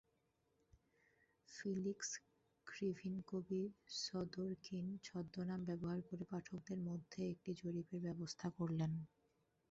Felix ক্রিভিনকবি Sidorkin ছদ্মনাম ব্যবহার করে পাঠকদের মধ্যে একটি জরিপের ব্যবস্থা করলেন।